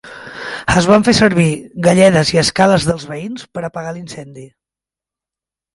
Es van fer servir galledes i escales dels veïns per apagar l'incendi.